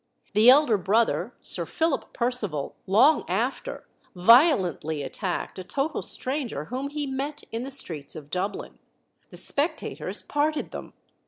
The elder brother, Sir Philip Percival, long after, violently attacked a total stranger whom he met in the streets of Dublin. The spectators parted them.